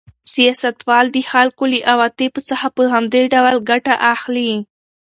سیاستوال د خلکو له عواطفو څخه په همدې ډول ګټه اخلي.